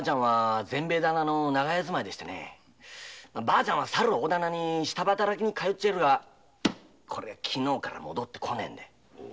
婆ちゃんはさる大店に下働きに通っているが昨日から戻って来ねえんで。